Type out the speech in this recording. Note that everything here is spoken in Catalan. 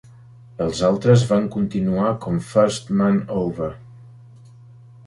Els altres van continuar com First Man Over.